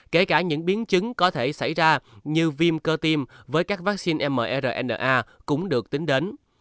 kể cả những biến chứng có thể xảy ra như viêm cơ tim với các vaccine mrna cũng được tính đến